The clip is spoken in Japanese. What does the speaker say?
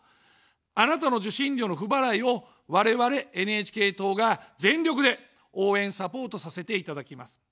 あなたの受信料の不払いを我々ＮＨＫ党が全力で応援・サポートさせていただきます。